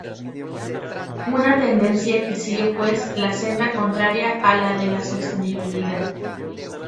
Una tendencia que sigue pues la senda contraria a la de la sostenibilidad.